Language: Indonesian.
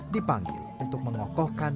dipanggil untuk mengokohkan